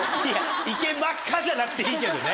「行けまっか」じゃなくていいけどね。